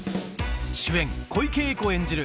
主演小池栄子演じる